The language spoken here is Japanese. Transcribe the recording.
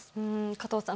加藤さん